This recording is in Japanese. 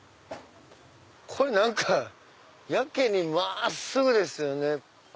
これやけに真っすぐですよね。